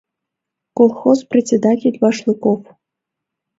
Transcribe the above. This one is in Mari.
Колхоз председатель Башлыков».